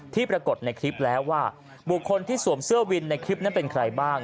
ปรากฏในคลิปแล้วว่าบุคคลที่สวมเสื้อวินในคลิปนั้นเป็นใครบ้าง